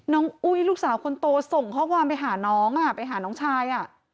อุ้ยลูกสาวคนโตส่งข้อความไปหาน้องไปหาน้องชาย